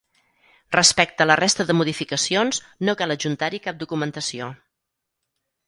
Respecte a la resta de modificacions, no cal adjuntar-hi cap documentació.